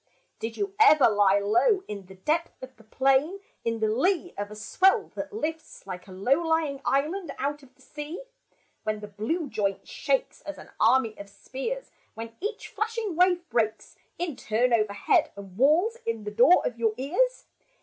Did you ever lie low In the depth of the plain, & In the lee of a swell that lifts Like a low lying island out of the sea, When the blue joint shakes As an army of spears; When each flashing wave breaks In turn overhead And wails in the door of your ears